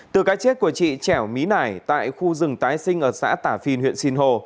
từ cái chết của chị trẻo mí nải tại khu rừng tái sinh ở xã tà phi huyện sinh hồ